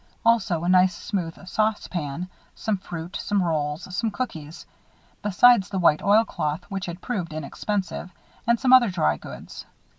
Also a nice smooth saucepan, some fruit, some rolls, some cookies; besides the white oilcloth, which had proved inexpensive; and some other drygoods.